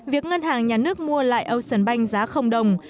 việc ngân hàng nhà nước mua lại ocean bank giá đồng